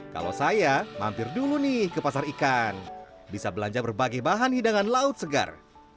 kalau saya mampir dulu nih ke pasar ikan bisa belanja berbagai bahan hidangan laut segar